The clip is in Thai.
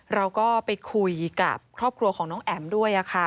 เราก็ไปคุยกับครอบครัวของน้องแอ๋มด้วยค่ะ